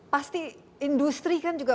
pasti industri kan juga